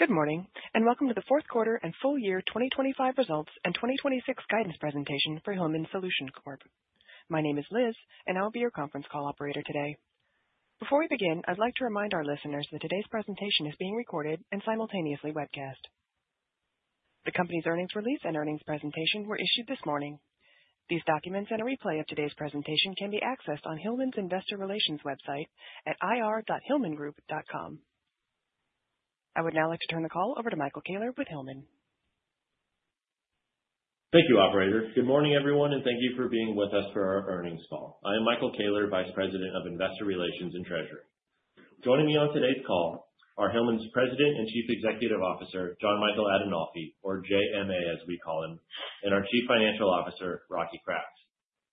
Good morning, and welcome to the fourth quarter and full year 2025 results and 2026 guidance presentation for Hillman Solutions Corp. My name is Liz, and I'll be your conference call operator today. Before we begin, I'd like to remind our listeners that today's presentation is being recorded and simultaneously webcast. The company's earnings release and earnings presentation were issued this morning. These documents and a replay of today's presentation can be accessed on Hillman's Investor Relations website at ir.hillmangroup.com. I would now like to turn the call over to Michael Koehler with Hillman. Thank you, operator. Good morning, everyone, and thank you for being with us for our earnings call. I am Michael Koehler, Vice President of Investor Relations and Treasurer. Joining me on today's call are Hillman's President and Chief Executive Officer, Jon Michael Adinolfi, or JMA, as we call him, and our Chief Financial Officer, Rocky Kraft.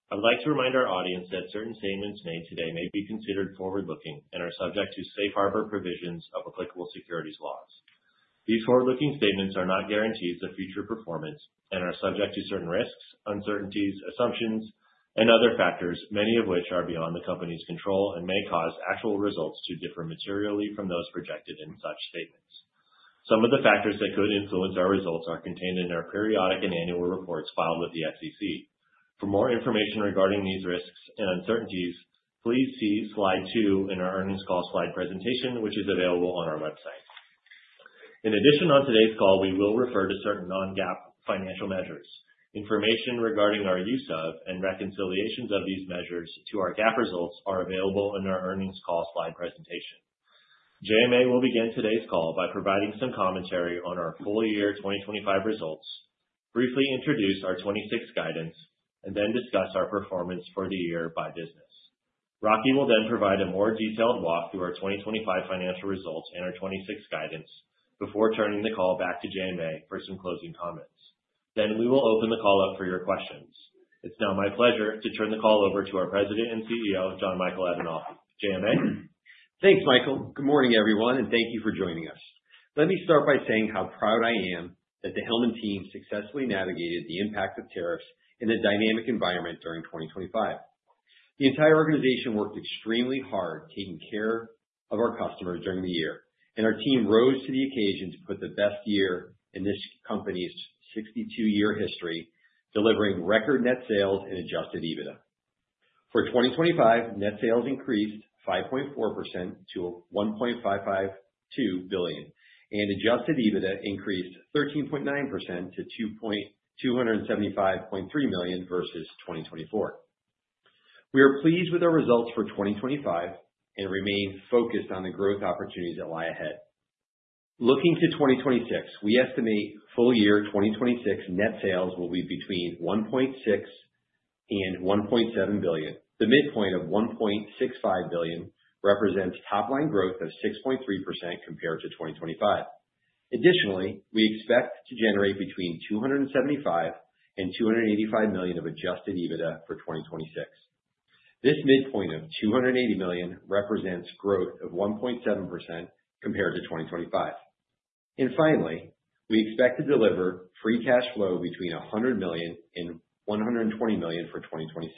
I'd like to remind our audience that certain statements made today may be considered forward-looking and are subject to safe harbor provisions of applicable securities laws. These forward-looking statements are not guarantees of future performance and are subject to certain risks, uncertainties, assumptions, and other factors, many of which are beyond the company's control and may cause actual results to differ materially from those projected in such statements. Some of the factors that could influence our results are contained in our periodic and annual reports filed with the SEC. For more information regarding these risks and uncertainties, please see slide 2 in our earnings call slide presentation, which is available on our website. In addition, on today's call, we will refer to certain non-GAAP financial measures. Information regarding our use of and reconciliations of these measures to our GAAP results are available in our earnings call slide presentation. JMA will begin today's call by providing some commentary on our full year 2025 results, briefly introduce our 2026 guidance, and then discuss our performance for the year by business. Rocky will then provide a more detailed walk through our 2025 financial results and our 2026 guidance before turning the call back to JMA for some closing comments. Then we will open the call up for your questions. It's now my pleasure to turn the call over to our President and Chief Executive Officer, Jon Michael Adinolfi. JMA? Thanks, Michael. Good morning, everyone, and thank you for joining us. Let me start by saying how proud I am that the Hillman team successfully navigated the impact of tariffs in a dynamic environment during 2025. The entire organization worked extremely hard taking care of our customers during the year, and our team rose to the occasion to put the best year in this company's 62-year history, delivering record net sales and adjusted EBITDA. For 2025, net sales increased 5.4% to $1.552 billion, and adjusted EBITDA increased 13.9% to $275.3 million versus 2024. We are pleased with our results for 2025 and remain focused on the growth opportunities that lie ahead. Looking to 2026, we estimate full year 2026 net sales will be between $1.6 billion and $1.7 billion. The midpoint of $1.65 billion represents top-line growth of 6.3% compared to 2025. Additionally, we expect to generate between $275 million and $285 million of Adjusted EBITDA for 2026. This midpoint of $280 million represents growth of 1.7% compared to 2025. And finally, we expect to deliver Free Cash Flow between $100 million and $120 million for 2026.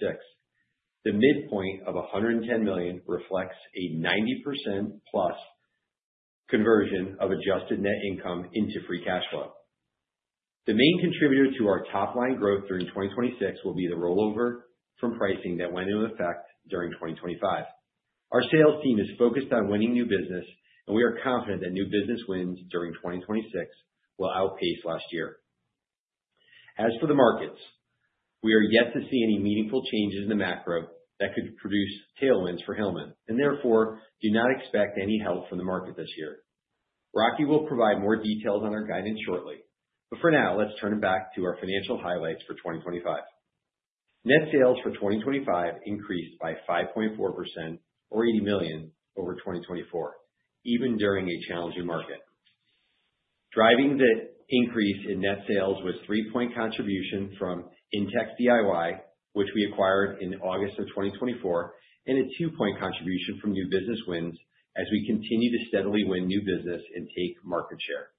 The midpoint of $110 million reflects a 90%+ conversion of adjusted net income into Free Cash Flow. The main contributor to our top-line growth during 2026 will be the rollover from pricing that went into effect during 2025. Our sales team is focused on winning new business, and we are confident that new business wins during 2026 will outpace last year. As for the markets, we are yet to see any meaningful changes in the macro that could produce tailwinds for Hillman and therefore do not expect any help from the market this year. Rocky will provide more details on our guidance shortly, but for now, let's turn it back to our financial highlights for 2025. Net sales for 2025 increased by 5.4% or $80 million over 2024, even during a challenging market. Driving the increase in net sales was 3-point contribution from Intex DIY, which we acquired in August of 2024, and a 2-point contribution from new business wins as we continue to steadily win new business and take market share.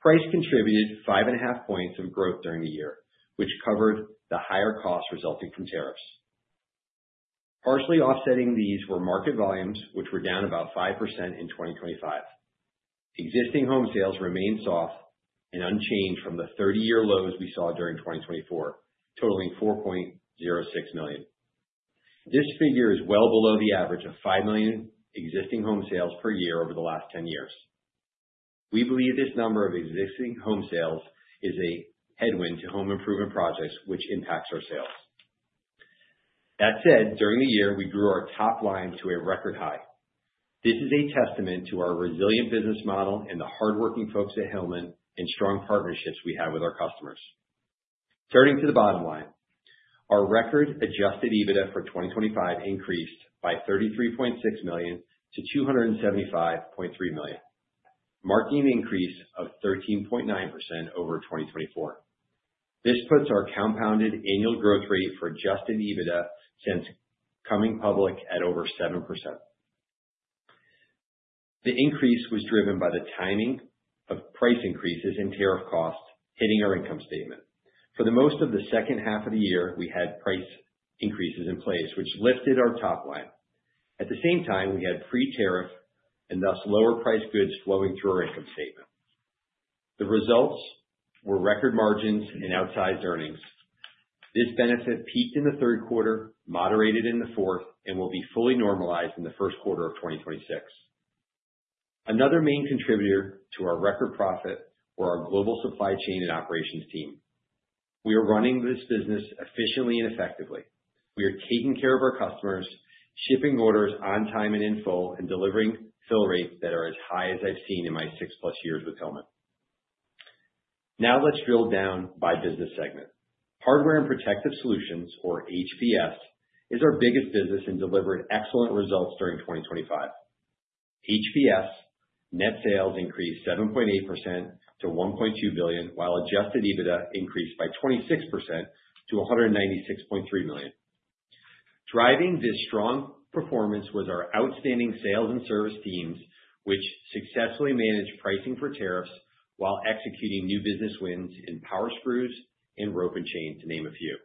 Price contributed 5.5 points of growth during the year, which covered the higher costs resulting from tariffs. Partially offsetting these were market volumes, which were down about 5% in 2025. Existing home sales remained soft and unchanged from the 30-year lows we saw during 2024, totaling 4.06 million. This figure is well below the average of 5 million existing home sales per year over the last 10 years. We believe this number of existing home sales is a headwind to home improvement projects, which impacts our sales. That said, during the year, we grew our top line to a record high. This is a testament to our resilient business model and the hardworking folks at Hillman and strong partnerships we have with our customers. Turning to the bottom line, our record Adjusted EBITDA for 2025 increased by $33.6 million to $275.3 million, marking an increase of 13.9% over 2024. This puts our compounded annual growth rate for Adjusted EBITDA since coming public at over 7%. The increase was driven by the timing of price increases and tariff costs hitting our income statement. For most of the second half of the year, we had price increases in place which lifted our top line. At the same time, we had pre-tariff and thus lower priced goods flowing through our income statement. The results were record margins and outsized earnings. This benefit peaked in the third quarter, moderated in the fourth, and will be fully normalized in the first quarter of 2026. Another main contributor to our record profit were our global supply chain and operations team. We are running this business efficiently and effectively. We are taking care of our customers, shipping orders on time and in full, and delivering fill rates that are as high as I've seen in my 6+ years with Hillman. Now let's drill down by business segment. Hardware and Protective Solutions, or HPS, is our biggest business and delivered excellent results during 2025. HPS net sales increased 7.8% to $1.2 billion, while Adjusted EBITDA increased by 26% to $196.3 million. Driving this strong performance was our outstanding sales and service teams, which successfully managed pricing for tariffs while executing new business wins in power screws and rope and chain, to name a few.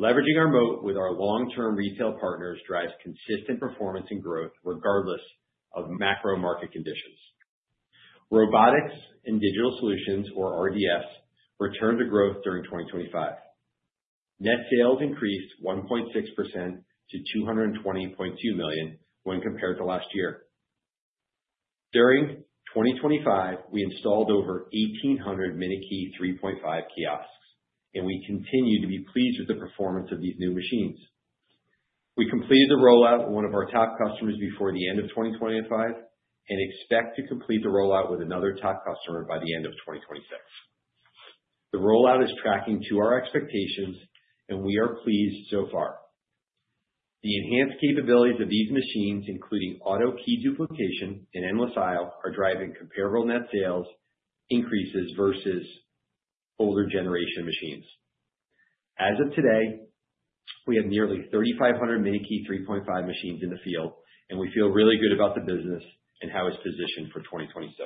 Leveraging our moat with our long-term retail partners drives consistent performance and growth regardless of macro market conditions. Robotics and Digital Solutions, or RDS, returned to growth during 2025. Net sales increased 1.6% to $220.2 million when compared to last year. During 2025, we installed over 1,800 MiniKey 3.5 kiosks, and we continue to be pleased with the performance of these new machines. We completed the rollout with one of our top customers before the end of 2025, and expect to complete the rollout with another top customer by the end of 2026. The rollout is tracking to our expectations, and we are pleased so far. The enhanced capabilities of these machines, including auto key duplication and endless aisle, are driving comparable net sales increases versus older generation machines. As of today, we have nearly 3,500 MiniKey 3.5 machines in the field, and we feel really good about the business and how it's positioned for 2026.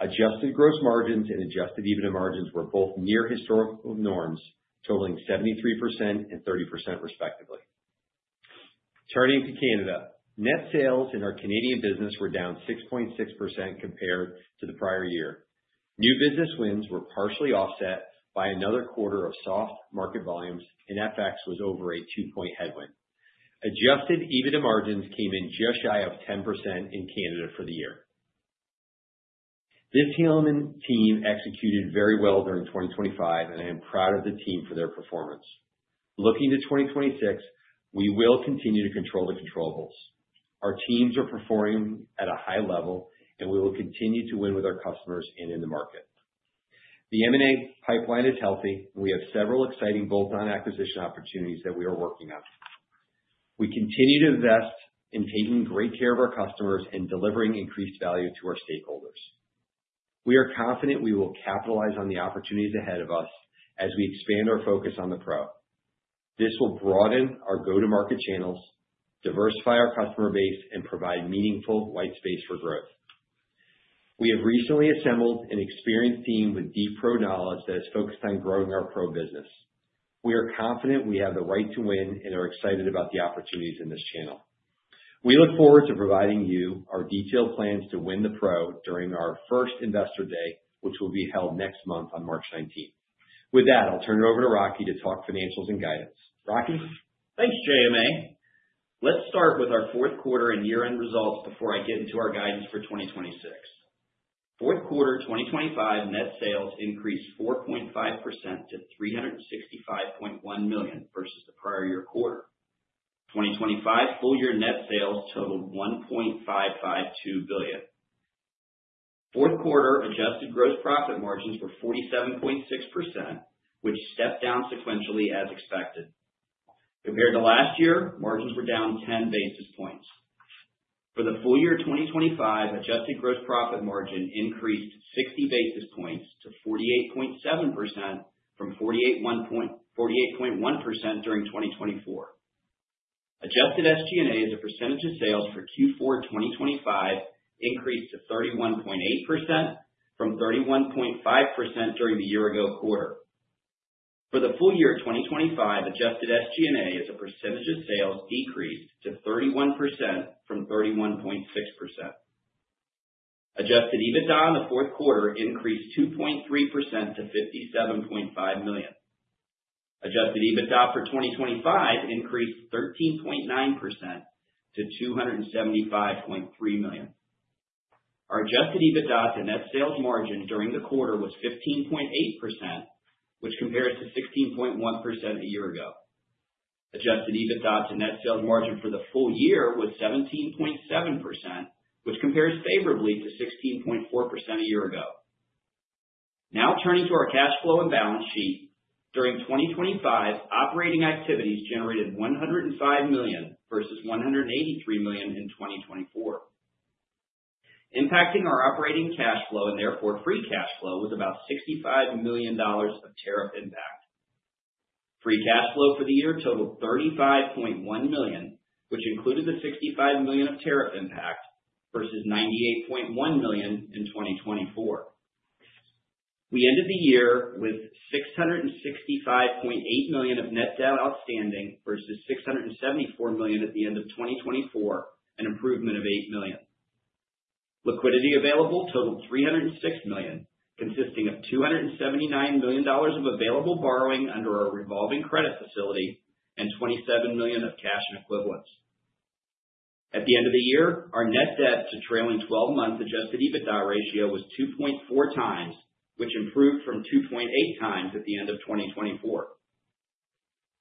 Adjusted gross margins and Adjusted EBITDA margins were both near historical norms, totaling 73% and 30% respectively. Turning to Canada. Net sales in our Canadian business were down 6.6% compared to the prior year. New business wins were partially offset by another quarter of soft market volumes, and FX was over a 2-point headwind. Adjusted EBITDA margins came in just shy of 10% in Canada for the year. This Hillman team executed very well during 2025, and I am proud of the team for their performance. Looking to 2026, we will continue to control the controllables. Our teams are performing at a high level, and we will continue to win with our customers and in the market. The M&A pipeline is healthy, and we have several exciting bolt-on acquisition opportunities that we are working on. We continue to invest in taking great care of our customers and delivering increased value to our stakeholders. We are confident we will capitalize on the opportunities ahead of us as we expand our focus on the pro. This will broaden our go-to-market channels, diversify our customer base, and provide meaningful white space for growth. We have recently assembled an experienced team with deep pro knowledge that is focused on growing our pro business. We are confident we have the right to win and are excited about the opportunities in this channel. We look forward to providing you our detailed plans to win the pro during our first Investor Day, which will be held next month on March 19. With that, I'll turn it over to Rocky to talk financials and guidance. Rocky? Thanks, JMA. Let's start with our fourth quarter and year-end results before I get into our guidance for 2026. Fourth quarter 2025 net sales increased 4.5% to $365.1 million versus the prior year quarter. 2025 full year net sales totaled $1.552 billion. Fourth quarter adjusted gross profit margins were 47.6%, which stepped down sequentially as expected. Compared to last year, margins were down 10 basis points. For the full year 2025, adjusted gross profit margin increased 60 basis points to 48.7% from 48.1% during 2024. Adjusted SG&A as a percentage of sales for Q4 2025 increased to 31.8% from 31.5% during the year ago quarter. For the full year 2025, adjusted SG&A as a percentage of sales decreased to 31% from 31.6%. Adjusted EBITDA in the fourth quarter increased 2.3% to $57.5 million. Adjusted EBITDA for 2025 increased 13.9% to $275.3 million. Our adjusted EBITDA to net sales margin during the quarter was 15.8%, which compares to 16.1% a year ago. Adjusted EBITDA to net sales margin for the full year was 17.7%, which compares favorably to 16.4% a year ago. Now turning to our cash flow and balance sheet. During 2025, operating activities generated $105 million versus $183 million in 2024. Impacting our operating cash flow and therefore Free Cash Flow, was about $65 million of tariff impact. Free Cash Flow for the year totaled $35.1 million, which included the $65 million of tariff impact versus $98.1 million in 2024. We ended the year with $665.8 million of Net Debt outstanding, versus $674 million at the end of 2024, an improvement of $8 million. Liquidity available totaled $306 million, consisting of $279 million of available borrowing under our revolving credit facility and $27 million of cash and equivalents. At the end of the year, our Net Debt to trailing twelve-month Adjusted EBITDA ratio was 2.4 times, which improved from 2.8 times at the end of 2024.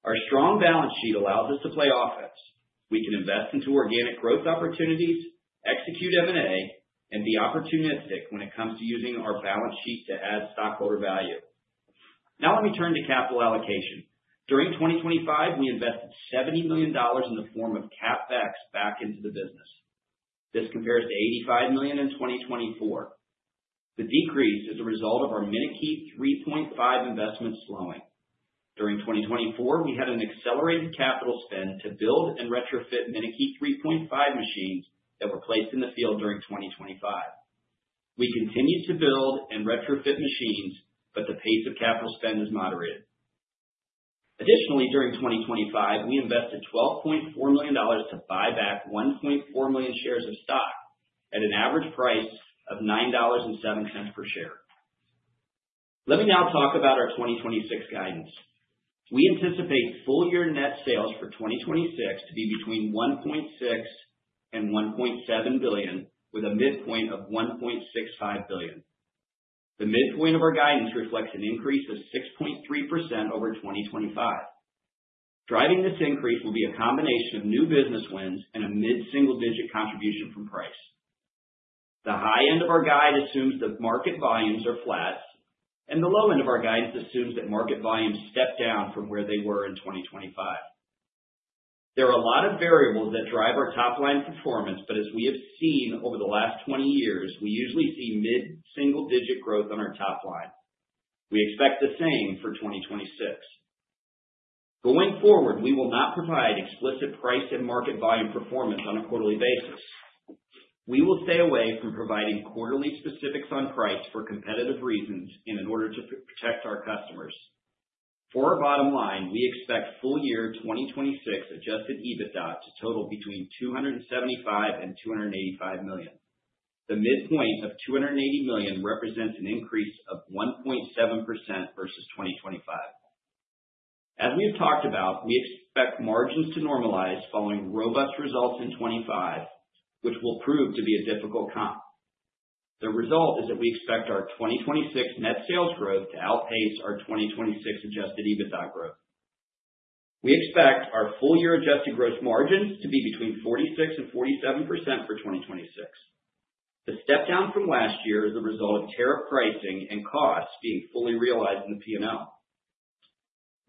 Our strong balance sheet allows us to play offense. We can invest into organic growth opportunities, execute M&A, and be opportunistic when it comes to using our balance sheet to add stockholder value. Now, let me turn to capital allocation. During 2025, we invested $70 million in the form of CapEx back into the business. This compares to $85 million in 2024. The decrease is a result of our MiniKey 3.5 investment slowing. During 2024, we had an accelerated capital spend to build and retrofit MiniKey 3.5 machines that were placed in the field during 2025. We continued to build and retrofit machines, but the pace of capital spend has moderated. Additionally, during 2025, we invested $12.4 million to buy back 1.4 million shares of stock at an average price of $9.07 per share. Let me now talk about our 2026 guidance. We anticipate full year net sales for 2026 to be between $1.6 billion and $1.7 billion, with a midpoint of $1.65 billion. The midpoint of our guidance reflects an increase of 6.3% over 2025. Driving this increase will be a combination of new business wins and a mid-single digit contribution from price. The high end of our guide assumes that market volumes are flat, and the low end of our guidance assumes that market volumes step down from where they were in 2025. There are a lot of variables that drive our top line performance, but as we have seen over the last 20 years, we usually see mid-single-digit growth on our top line. We expect the same for 2026. Going forward, we will not provide explicit price and market volume performance on a quarterly basis. We will stay away from providing quarterly specifics on price for competitive reasons and in order to protect our customers. For our bottom line, we expect full year 2026 Adjusted EBITDA to total between $275 million and $285 million. The midpoint of $280 million represents an increase of 1.7% versus 2025. As we have talked about, we expect margins to normalize following robust results in 2025, which will prove to be a difficult comp. The result is that we expect our 2026 net sales growth to outpace our 2026 Adjusted EBITDA growth. We expect our full-year Adjusted Gross Margin to be between 46%-47% for 2026. The step down from last year is a result of tariff pricing and costs being fully realized in the P&L.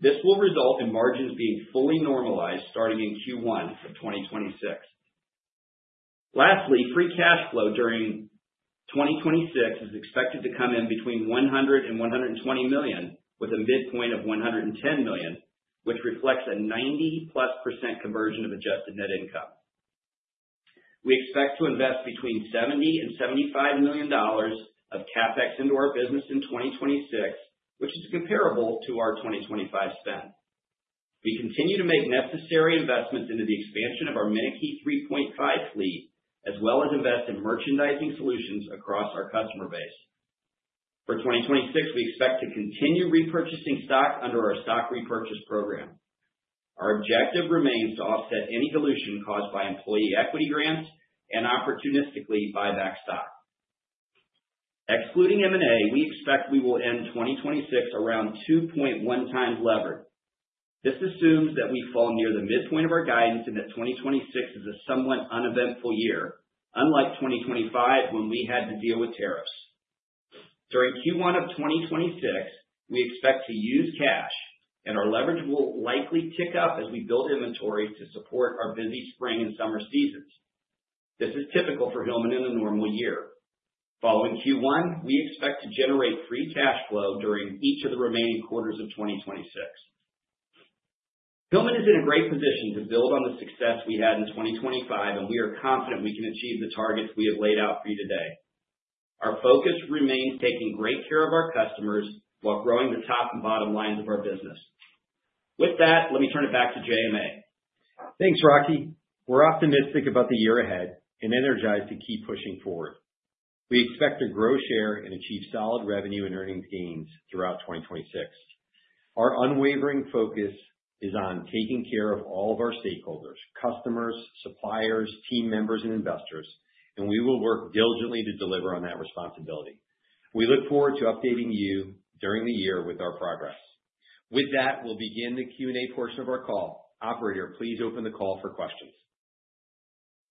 This will result in margins being fully normalized starting in Q1 of 2026. Lastly, Free Cash Flow during 2026 is expected to come in between $100-$120 million, with a midpoint of $110 million, which reflects a 90%+ conversion of adjusted net income. We expect to invest between $70-$75 million of CapEx into our business in 2026, which is comparable to our 2025 spend. We continue to make necessary investments into the expansion of our MiniKey 3.5 fleet, as well as invest in merchandising solutions across our customer base. For 2026, we expect to continue repurchasing stock under our stock repurchase program. Our objective remains to offset any dilution caused by employee equity grants and opportunistically buy back stock. Excluding M&A, we expect we will end 2026 around 2.1x leverage. This assumes that we fall near the midpoint of our guidance and that 2026 is a somewhat uneventful year, unlike 2025, when we had to deal with tariffs. During Q1 of 2026, we expect to use cash, and our leverage will likely tick up as we build inventory to support our busy spring and summer seasons. This is typical for Hillman in a normal year. Following Q1, we expect to generate Free Cash Flow during each of the remaining quarters of 2026. Hillman is in a great position to build on the success we had in 2025, and we are confident we can achieve the targets we have laid out for you today. Our focus remains taking great care of our customers while growing the top and bottom lines of our business. With that, let me turn it back to JMA. Thanks, Rocky. We're optimistic about the year ahead and energized to keep pushing forward. We expect to grow, share, and achieve solid revenue and earnings gains throughout 2026. Our unwavering focus is on taking care of all of our stakeholders, customers, suppliers, team members, and investors, and we will work diligently to deliver on that responsibility. We look forward to updating you during the year with our progress. With that, we'll begin the Q&A portion of our call. Operator, please open the call for questions.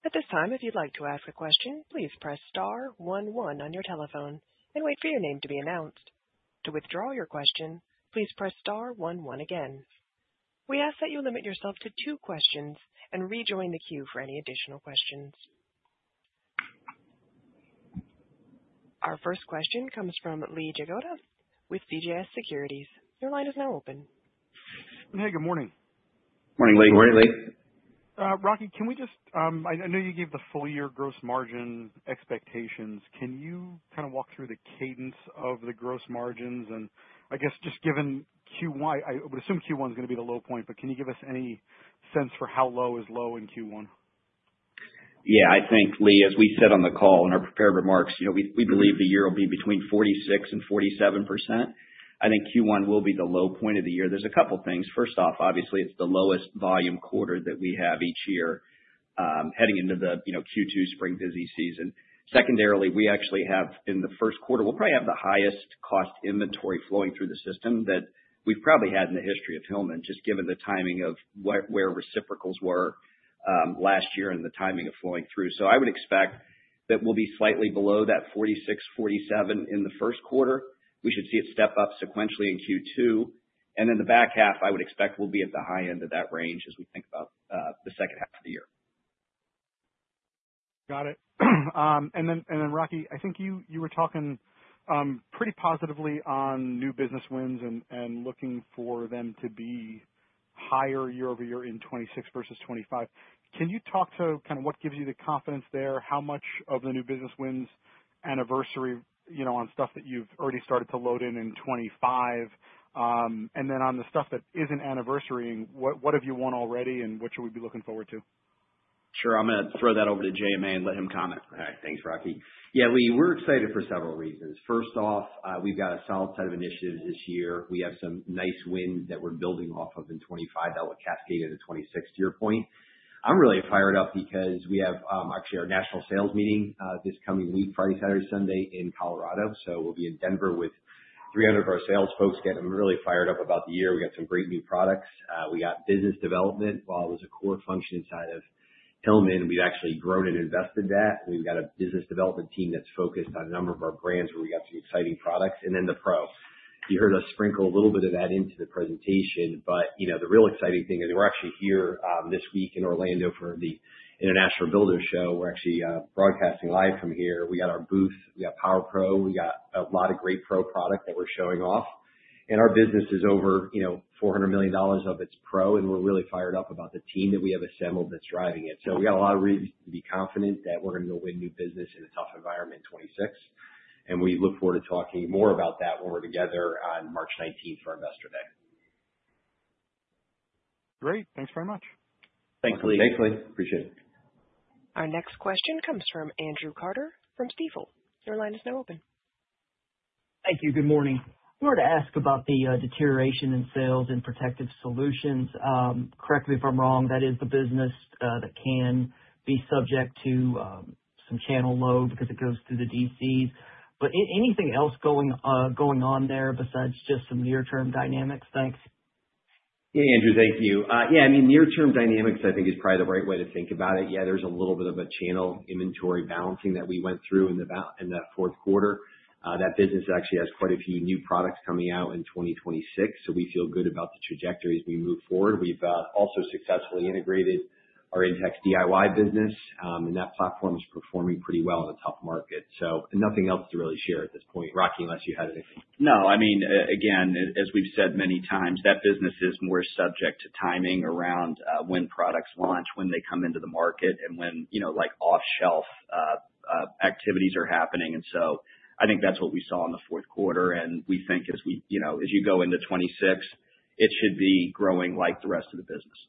At this time, if you'd like to ask a question, please press star one one on your telephone and wait for your name to be announced. To withdraw your question, please press star one one again. We ask that you limit yourself to two questions and rejoin the queue for any additional questions. Our first question comes from Lee Jagoda with CJS Securities. Your line is now open. Hey, good morning. Morning, Lee. Morning, Lee. Rocky, can we just I know you gave the full year gross margin expectations. Can you kind of walk through the cadence of the gross margins? And I guess just given Q1, I would assume Q1 is going to be the low point, but can you give us any sense for how low is low in Q1? Yeah, I think, Lee, as we said on the call in our prepared remarks, you know, we, we believe the year will be between 46% and 47%. I think Q1 will be the low point of the year. There's a couple things. First off, obviously, it's the lowest volume quarter that we have each year, heading into the, you know, Q2 spring busy season. Secondarily, we actually have in the first quarter, we'll probably have the highest cost inventory flowing through the system that we've probably had in the history of Hillman, just given the timing of where, where reciprocals were, last year and the timing of flowing through. So I would expect that we'll be slightly below that 46%-47% in the first quarter. We should see it step up sequentially in Q2, and in the back half, I would expect we'll be at the high end of that range as we think about the second half of the year. Got it. And then, Rocky, I think you were talking pretty positively on new business wins and looking for them to be higher year-over-year in 2026 versus 2025. Can you talk to kind of what gives you the confidence there? How much of the new business wins anniversary, you know, on stuff that you've already started to load in in 2025? And then on the stuff that isn't anniversarying, what have you won already, and what should we be looking forward to? Sure. I'm going to throw that over to JMA and let him comment. All right. Thanks, Rocky. Yeah, Lee, we're excited for several reasons. First off, we've got a solid set of initiatives this year. We have some nice wins that we're building off of in 2025 that will cascade into 2026, to your point. I'm really fired up because we have, actually our national sales meeting, this coming week, Friday, Saturday, Sunday in Colorado. So we'll be in Denver with 300 of our sales folks getting really fired up about the year. We got some great new products. We got business development. While it was a core function inside of Hillman, we've actually grown and invested that. We've got a business development team that's focused on a number of our brands, where we got some exciting products, and then the pro. You heard us sprinkle a little bit of that into the presentation, but, you know, the real exciting thing is we're actually here this week in Orlando for the International Builders Show. We're actually broadcasting live from here. We got our booth, we got Power Pro, we got a lot of great pro product that we're showing off. And our business is over, you know, $400 million of its pro, and we're really fired up about the team that we have assembled that's driving it. So we got a lot of reasons to be confident that we're going to go win new business in a tough environment in 2026, and we look forward to talking more about that when we're together on March nineteenth for Investor Day. Great. Thanks very much. Thanks, Lee. Thanks, Lee. Appreciate it. Our next question comes from Andrew Carter from Stifel. Your line is now open. Thank you. Good morning. I wanted to ask about the deterioration in sales in Protective Solutions. Correct me if I'm wrong, that is the business that can be subject to some channel load because it goes through the DCs. But anything else going on there besides just some near-term dynamics? Thanks. Yeah, Andrew, thank you. Yeah, I mean, near-term dynamics, I think, is probably the right way to think about it. Yeah, there's a little bit of a channel inventory balancing that we went through in that fourth quarter. That business actually has quite a few new products coming out in 2026, so we feel good about the trajectory as we move forward. We've also successfully integrated our Intex DIY business, and that platform is performing pretty well in a tough market, so nothing else to really share at this point. Rocky, unless you had anything? No, I mean, again, as we've said many times, that business is more subject to timing around when products launch, when they come into the market, and when, you know, like off-shelf activities are happening. So I think that's what we saw in the fourth quarter, and we think as we. you know, as you go into 2026, it should be growing like the rest of the business.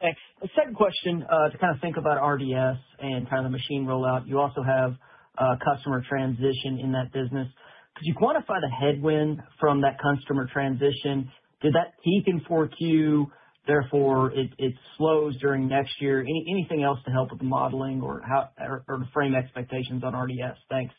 Thanks. The second question to kind of think about RDS and kind of the machine rollout, you also have a customer transition in that business. Could you quantify the headwind from that customer transition? Did that peak in 4Q, therefore, it slows during next year? Anything else to help with the modeling or how to frame expectations on RDS? Thanks.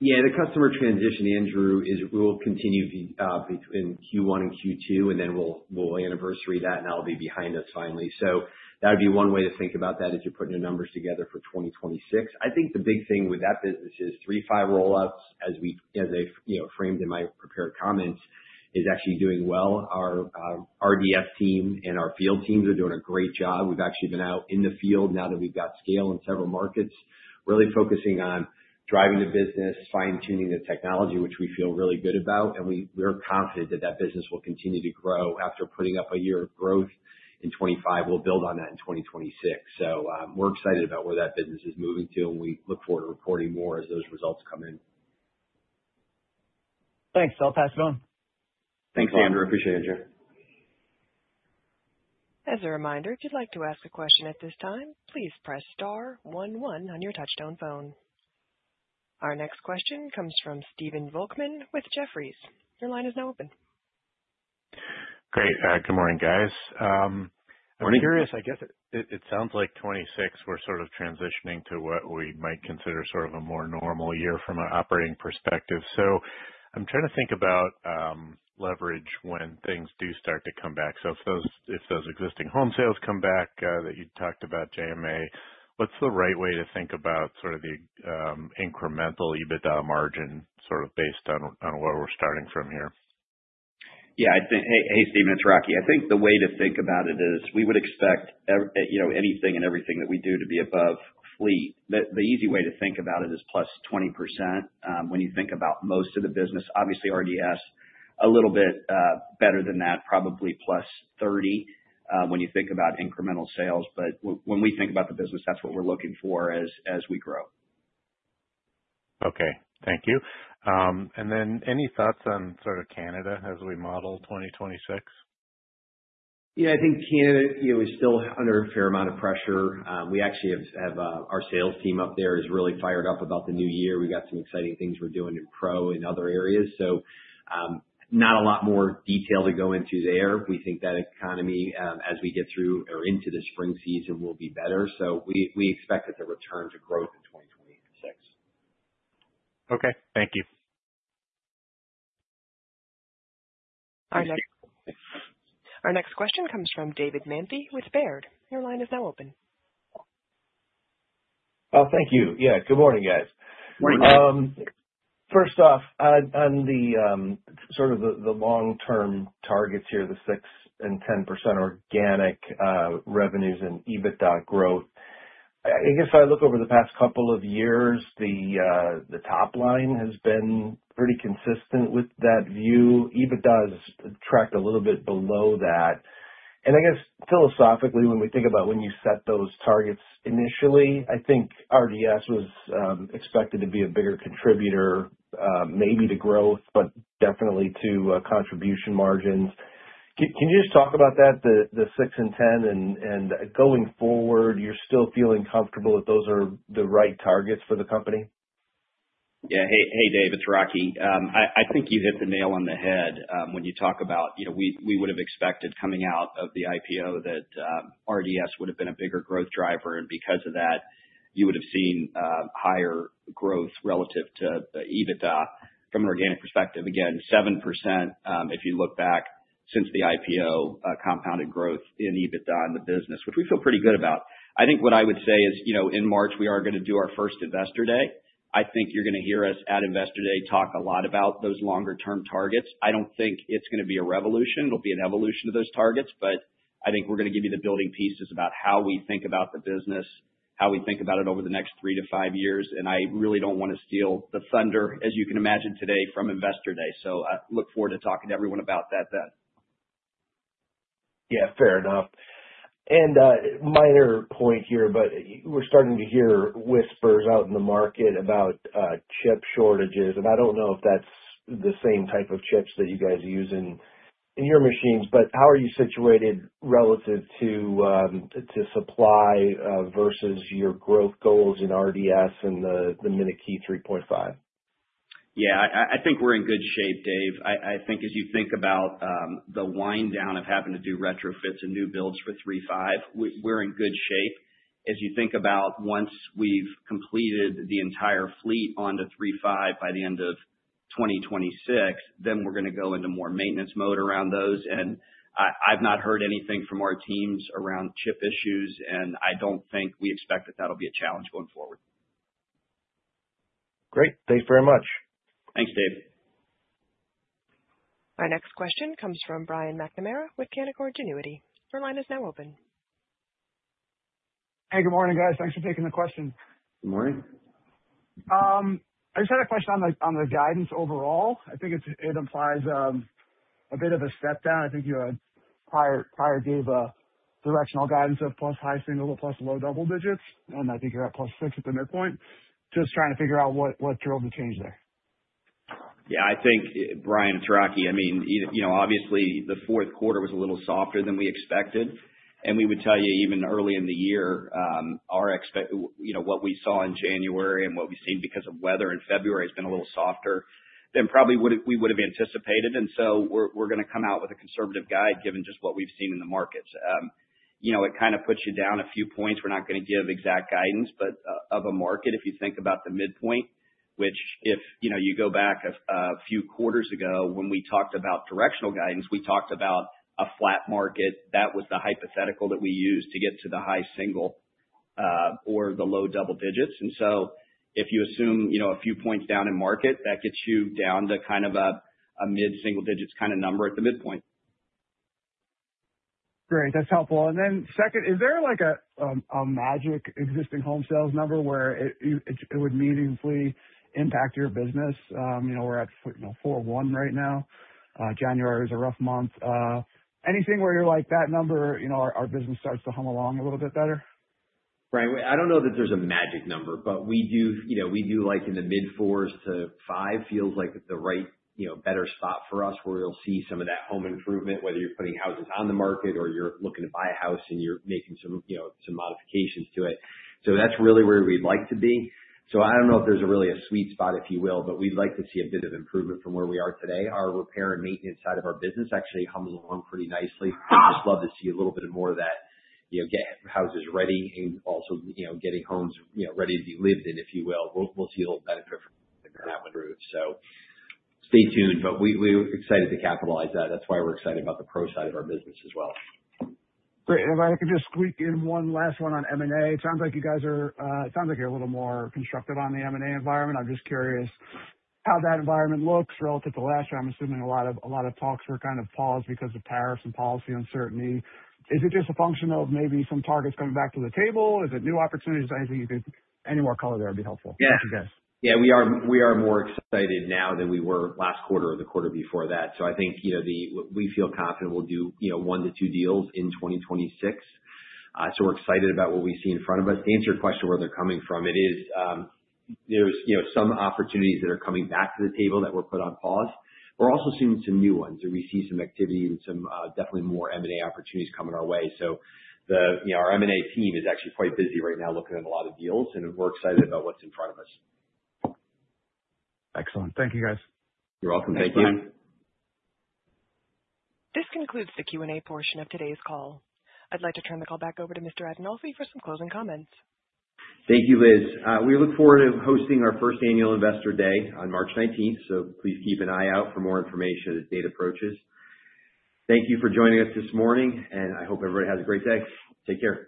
Yeah, the customer transition, Andrew, will continue to be between Q1 and Q2, and then we'll anniversary that, and that'll be behind us finally. So that would be one way to think about that as you're putting the numbers together for 2026. I think the big thing with that business is 3.5 rollouts, as I, you know, framed in my prepared comments, is actually doing well. Our RDS team and our field teams are doing a great job. We've actually been out in the field now that we've got scale in several markets, really focusing on driving the business, fine-tuning the technology, which we feel really good about, and we're confident that that business will continue to grow. After putting up a year of growth in 2025, we'll build on that in 2026. We're excited about where that business is moving to, and we look forward to reporting more as those results come in. Thanks. I'll pass it on. Thanks, Andrew. Appreciate it. As a reminder, if you'd like to ask a question at this time, please press star one one on your touchtone phone. Our next question comes from Steven Volkmann with Jefferies. Your line is now open. Great. Good morning, guys. Morning. I'm curious. I guess it sounds like 2026, we're sort of transitioning to what we might consider sort of a more normal year from an operating perspective. So I'm trying to think about leverage when things do start to come back. So if those existing home sales come back that you talked about, JMA, what's the right way to think about sort of the incremental EBITDA margin, sort of based on where we're starting from here? Yeah, I think. Hey, hey, Steven, it's Rocky. I think the way to think about it is, we would expect you know, anything and everything that we do to be above fleet. The easy way to think about it is +20%, when you think about most of the business, obviously RDS a little bit better than that, probably +30%, when you think about incremental sales. But when we think about the business, that's what we're looking for as we grow. Okay, thank you. And then any thoughts on sort of Canada as we model 2026? Yeah, I think Canada, you know, is still under a fair amount of pressure. We actually have our sales team up there is really fired up about the new year. We've got some exciting things we're doing in Pro in other areas, so, not a lot more detail to go into there. We think that economy, as we get through or into the spring season, will be better. So we expect it to return to growth in 2026. Okay, thank you. Our next question comes from David Mantey with Baird. Your line is now open. Thank you. Yeah, good morning, guys. Morning. First off, on the long-term targets here, the 6% and 10% organic revenues and EBITDA growth. I guess if I look over the past couple of years, the top line has been pretty consistent with that view. EBITDA has tracked a little bit below that. And I guess philosophically, when we think about when you set those targets initially, I think RDS was expected to be a bigger contributor, maybe to growth, but definitely to contribution margins. Can you just talk about that, the six and ten, and going forward, you're still feeling comfortable that those are the right targets for the company? Yeah. Hey, Dave, it's Rocky. I think you hit the nail on the head when you talk about, you know, we would've expected coming out of the IPO that RDS would've been a bigger growth driver, and because of that, you would've seen higher growth relative to the EBITDA from an organic perspective. Again, 7%, if you look back since the IPO, compounded growth in EBITDA in the business, which we feel pretty good about. I think what I would say is, you know, in March, we are going to do our first Investor Day. I think you're going to hear us at Investor Day talk a lot about those longer term targets. I don't think it's going to be a revolution. It'll be an evolution of those targets, but I think we're going to give you the building pieces about how we think about the business, how we think about it over the next 3-5 years, and I really don't want to steal the thunder, as you can imagine today, from Investor Day. So I look forward to talking to everyone about that then. Yeah, fair enough. And, minor point here, but we're starting to hear whispers out in the market about chip shortages, and I don't know if that's the same type of chips that you guys use in your machines, but how are you situated relative to supply versus your growth goals in RDS and the MiniKey 3.5? Yeah, I think we're in good shape, Dave. I think as you think about the wind down of having to do retrofits and new builds for 3.5, we're in good shape. As you think about once we've completed the entire fleet onto 3.5 by the end of 2026, then we're going to go into more maintenance mode around those. And I've not heard anything from our teams around chip issues, and I don't think we expect that that'll be a challenge going forward. Great. Thanks very much. Thanks, Dave. Our next question comes from Brian McNamara with Canaccord Genuity. Your line is now open. Hey, good morning, guys. Thanks for taking the question. Good morning. I just had a question on the, on the guidance overall. I think it's- it implies a bit of a step down. I think you had prior, prior gave directional guidance of + high single, + low double digits, and I think you're at +6 at the midpoint. Just trying to figure out what, what drove the change there? Yeah, I think, Brian, it's Rocky. I mean, you know, obviously, the fourth quarter was a little softer than we expected, and we would tell you, even early in the year, You know, what we saw in January and what we've seen because of weather in February, has been a little softer than probably would've, we would've anticipated. And so we're going to come out with a conservative guide, given just what we've seen in the markets. You know, it kind of puts you down a few points. We're not going to give exact guidance, but, of a market, if you think about the midpoint, which if, you know, you go back a few quarters ago, when we talked about directional guidance, we talked about a flat market. That was the hypothetical that we used to get to the high single or the low double digits. And so if you assume, you know, a few points down in market, that gets you down to kind of a mid-single digits kind of number at the midpoint. Great. That's helpful. And then second, is there like a magic existing home sales number where it would meaningfully impact your business? You know, we're at, you know, 4.1 right now. January was a rough month. Anything where you're like that number, you know, our business starts to hum along a little bit better? Right. I don't know that there's a magic number, but we do, you know, we do like in the mid-4s to 5, feels like the right, you know, better spot for us, where you'll see some of that home improvement, whether you're putting houses on the market or you're looking to buy a house and you're making some, you know, some modifications to it. So that's really where we'd like to be. So I don't know if there's really a sweet spot, if you will, but we'd like to see a bit of improvement from where we are today. Our repair and maintenance side of our business actually hums along pretty nicely. We'd just love to see a little bit more of that, you know, get houses ready and also, you know, getting homes, you know, ready to be lived in, if you will. We'll see a little benefit from that one route. So stay tuned. But we're excited to capitalize that. That's why we're excited about the pro side of our business as well. Great. And if I could just squeak in one last one on M&A. It sounds like you guys are, it sounds like you're a little more constructive on the M&A environment. I'm just curious how that environment looks relative to last year. I'm assuming a lot of, a lot of talks were kind of paused because of tariffs and policy uncertainty. Is it just a function of maybe some targets coming back to the table? Is it new opportunities? Anything you think any more color there would be helpful? Yeah. Thanks. Yeah, we are, we are more excited now than we were last quarter or the quarter before that. So I think, you know, the- we feel confident we'll do, you know, 1-2 deals in 2026. So we're excited about what we see in front of us. To answer your question, where they're coming from, it is, there's, you know, some opportunities that are coming back to the table that were put on pause. We're also seeing some new ones, and we see some activity with some, definitely more M&A opportunities coming our way. So the, you know, our M&A team is actually quite busy right now, looking at a lot of deals, and we're excited about what's in front of us. Excellent. Thank you, guys. You're welcome. Thank you. This concludes the Q&A portion of today's call. I'd like to turn the call back over to Mr. Adinolfi for some closing comments. Thank you, Liz. We look forward to hosting our first annual Investor Day on March 19, so please keep an eye out for more information as the date approaches. Thank you for joining us this morning, and I hope everybody has a great day. Take care.